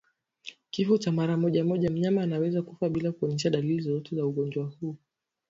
Kifo mara moja moja mnyama anaweza kufa bila kuonyesha dalili zozote za ugonjwa huu